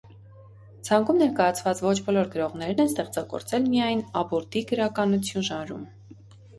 Ցանկում ներկայացված ոչ բոլոր գրողներն են ստեղծագործել միայն «աբուրդի գրականություն» ժանրում։